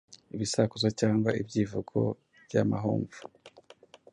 ibisakuzo cyangwa ibyivugo by’amahomvu,